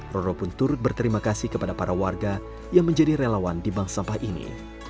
roro pun turut berterima kasih kepada para warga yang menjadi relawan di bank sampah ini